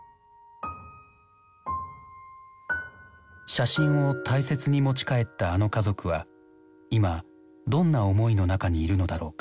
写真を大切に持ち帰ったあの家族は今どんな思いの中にいるのだろうか。